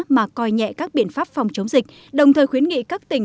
mà coi nhẹ các biện pháp phòng chống dịch đồng thời khuyến nghị các tỉnh